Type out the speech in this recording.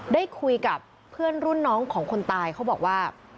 ได้คุยกับเพื่อนรุ่นน้องของคนตายเขาบอกว่า